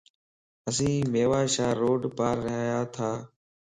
اسين ميوا شاه روڊ پار رھياتا.